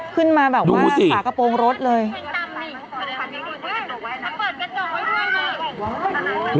ขึ้นมาแบบว่ากระโปรงลดเลยดูสิ